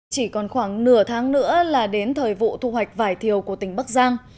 chỉ còn khoảng nửa tháng nữa là đến thời vụ thu hoạch vải thiều của tỉnh bắc giang